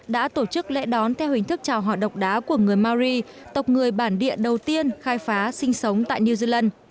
đã tổ chức lệ đón theo hình thức chào họ độc đá của người maori tộc người bản địa đầu tiên khai phá sinh sống tại new zealand